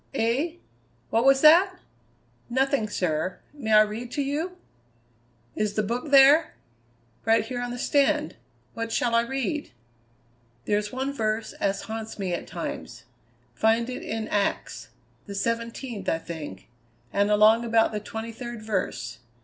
"Eh? What was that?" "Nothing, sir. May I read to you?" "Is the Book there?" "Right here on the stand. What shall I read?" "There's one verse as haunts me at times; find it in Acts the seventeenth, I think and along about the twenty third verse.